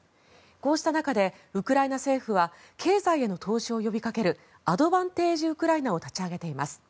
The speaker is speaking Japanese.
こうした中で、ウクライナ政府は経済への投資を呼びかけるアドバンテージ・ウクライナを立ち上げています。